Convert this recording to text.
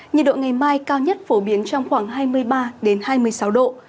nhiệt độ ngày mai cao nhất phổ biến trong khoảng hai mươi ba hai mươi sáu độ